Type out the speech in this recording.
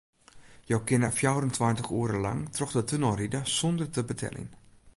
Jo kinne fjouwerentweintich oere lang troch de tunnel ride sûnder tol te beteljen.